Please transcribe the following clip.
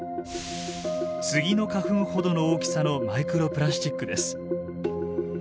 スギの花粉ほどの大きさのマイクロプラスチックです。